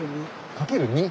掛ける２？